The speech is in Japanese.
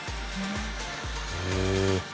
へえ。